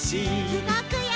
うごくよ！